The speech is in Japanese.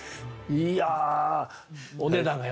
いや。